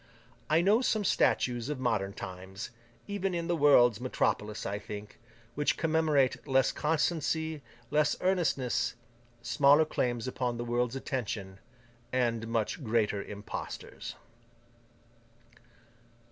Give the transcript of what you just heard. I know some statues of modern times—even in the World's metropolis, I think—which commemorate less constancy, less earnestness, smaller claims upon the world's attention, and much greater impostors.